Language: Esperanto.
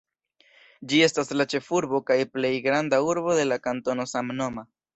Ĝi estas la ĉefurbo kaj plej granda urbo de la kantono samnoma.